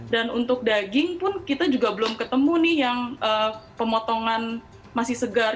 dan untuk daging pun kita juga belum ketemu nih yang pemotongan masih segar